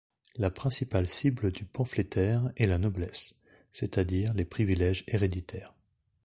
La principale cible du pamphlétaire est la noblesse, c'est-à-dire les privilèges héréditaires.